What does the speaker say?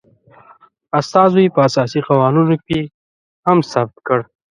استازو یي په اساسي قوانینو کې هم ثبت کړ